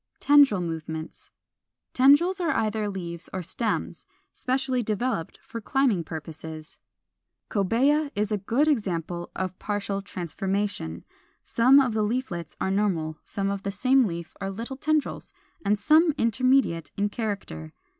471. =Tendril movements.= Tendrils are either leaves or stems (98, 168), specially developed for climbing purposes. Cobæa is a good example of partial transformation; some of the leaflets are normal, some of the same leaf are little tendrils, and some intermediate in character.